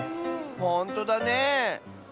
ほんとだねえ。